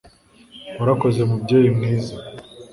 Warakoze Mubyeyi mwiza